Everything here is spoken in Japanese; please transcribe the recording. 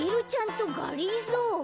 とがりぞー。